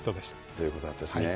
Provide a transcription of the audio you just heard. ということなんですね。